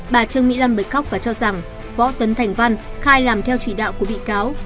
bà trương mỹ lâm bị khóc và cho rằng võ tấn thành văn khai làm theo chỉ đạo của bị cáo